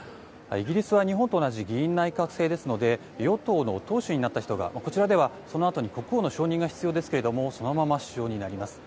イギリスは日本と同じ議院内閣制ですので与党の党首になった人がこちらではそのあとに国王の承認が必要ですけれどもそのまま首相になります。